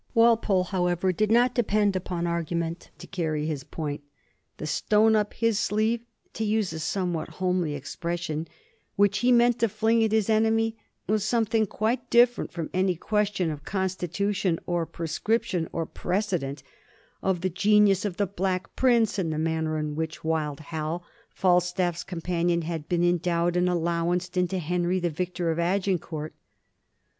Walpole, however, did not depend upon argument to carry his point. The stone up his sleeve, to use a some what homely expression, which he meant to fling at his enemy, was something quite different from any question of Constitution or prescription or precedent; of the genius of the Black Prince, and the manner in which Wild Hal, Falstaff's companion, had been endowed and allowanced into Henry, the victor of Agineourt.